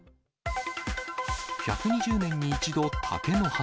１２０年に１度、竹の花。